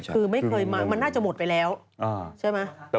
คือไม่เคยมามันน่าจะหมดไปแล้วใช่ไหม